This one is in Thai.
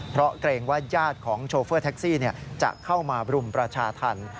เพราะเกรงว่าญาติของโชเฟอร์แท็กซี่จะเข้ามารุมประชาธรรม